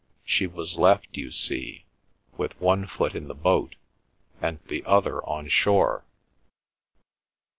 She was left, you see, with one foot in the boat, and the other on shore."